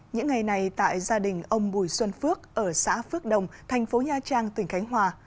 những ngày này tại gia đình ông bùi xuân phước ở xã phước đồng thành phố nha trang tỉnh khánh hòa